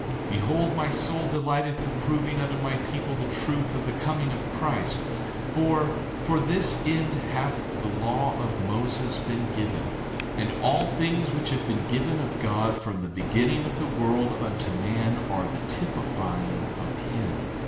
11:4 Behold, my soul delighteth in proving unto my people the truth of the coming of Christ; for, for this end hath the law of Moses been given; and all things which have been given of God from the beginning of the world, unto man, are the typifying of him.